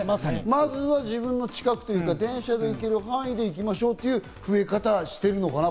まずは自分の近く、電車で行ける範囲で行きましょうという増え方をしているのかな？